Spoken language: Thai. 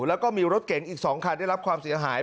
แล้วก็มีรถเก๋งอีก๒คันได้รับความเสียหาย